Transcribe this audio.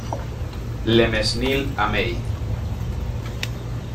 Le Mesnil-Amey